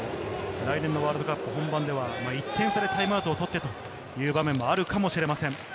来年のワールドカップ本番では１点差でタイムアウトを取ってという場面もあるかもしれません。